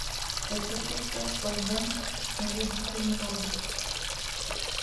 Elle se trouve place Forbin, en haut du cours Mirabeau.